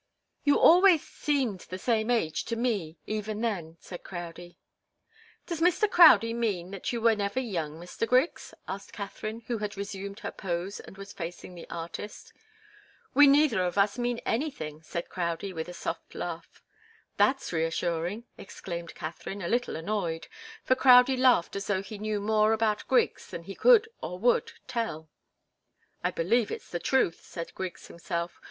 "You always seemed the same age, to me, even then," said Crowdie. "Does Mr. Crowdie mean that you were never young, Mr. Griggs?" asked Katharine, who had resumed her pose and was facing the artist. "We neither of us mean anything," said Crowdie, with a soft laugh. "That's reassuring!" exclaimed Katharine, a little annoyed, for Crowdie laughed as though he knew more about Griggs than he could or would tell. "I believe it's the truth," said Griggs himself.